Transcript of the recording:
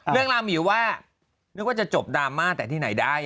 เรื่องราวหมิวว่านึกว่าจะจบดราม่าแต่ที่ไหนได้